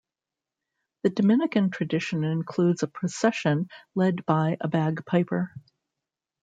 The Dominican tradition includes a procession led by a bagpiper.